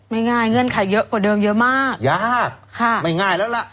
ง่ายเงื่อนไขเยอะกว่าเดิมเยอะมากยากค่ะไม่ง่ายแล้วล่ะ